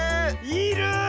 いる！